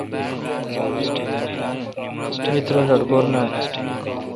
می ترہ لٹکور نان۔